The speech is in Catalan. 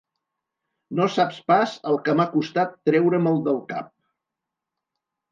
No saps pas el que m'ha costat treure-me'l del cap.